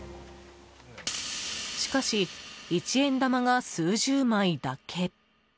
しかし、一円玉が数十枚だけ。